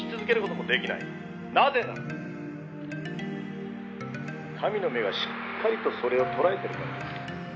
「なぜなら神の目がしっかりとそれを捉えているからです」